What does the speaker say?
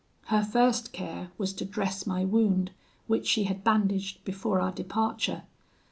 Her first care was to dress my wound, which she had bandaged before our departure.